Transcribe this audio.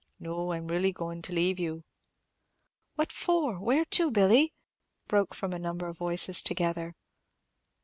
No; I'm really goin' to leave you." "What for? Where to, Billy?" broke from a number of voices together.